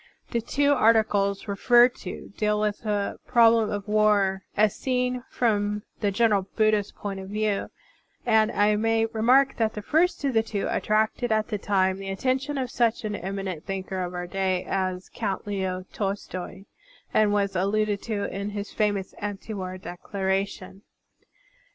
The two articles referred to deal with the problem of war as seen from the general Buddhist point of view ; and I may remark that the first of the two attracted at the time the attention of such an eminent thinker of our day as Count Leo Tolstoy and was alluded to in his famous anti war declaration.